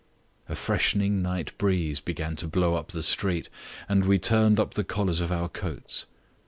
A freshening night breeze began to blow up the street, and we turned up the collars of our coats.